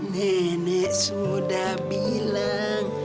nenek sudah bilang